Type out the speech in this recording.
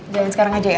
jalan sekarang aja ya